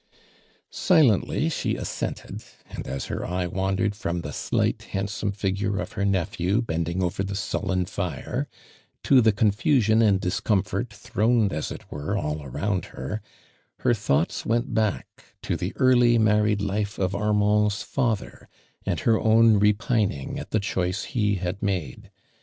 Silently she assented, and as her eye wandered from the slight handsome figure of her nephew bending over the sullen fire to the confusion and discomfort throned a« it were all around her, her thoughts went back to the early married life of Armand' s father and her own repining at the choice he had made.